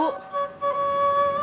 boleh saya membantu ibu